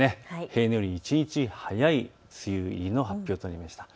平年よりも一日早い梅雨入りの発表となりました。